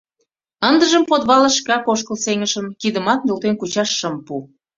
Ындыжым подвалыш шкак ошкыл сеҥышым, кидымат нӧлтен кучаш шым пу.